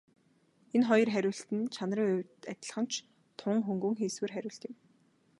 Энэ хоёр хариулт нь чанарын хувьд адилхан ч тун хөнгөн хийсвэр хариулт юм.